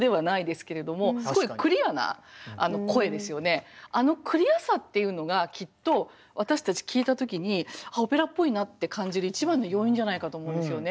まあ確かにあのクリアさっていうのがきっと私たち聴いた時に「オペラっぽいな」って感じる一番の要因じゃないかと思うんですよね。